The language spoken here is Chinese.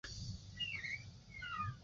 以下营运时间以官方网站为准。